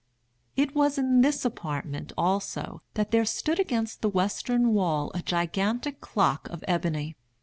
It was in this apartment, also, that there stood against the western wall, a gigantic clock of ebony.